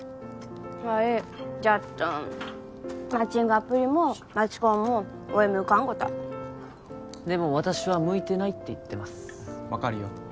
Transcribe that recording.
はいいじゃっどんマッチングアプリも街コンもおい向かんごたでも私は向いてないって言ってます分かるよ